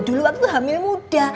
dulu waktu hamil muda